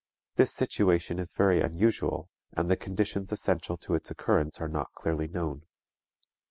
This situation is very unusual and the conditions essential to its occurrence are not clearly known.